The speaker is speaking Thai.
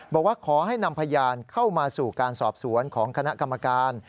บอกว่าขอให้นำพยานเข้ามาสู่การสอบสวนของคณะกรรมการ